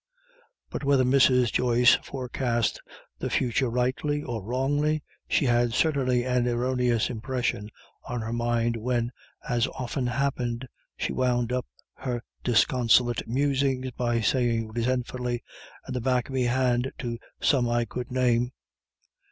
But whether Mrs. Joyce forecast the future rightly or wrongly, she had certainly an erroneous impression on her mind when, as often happened, she wound up her disconsolate musings by saying resentfully, "And the back of me hand to some I could name."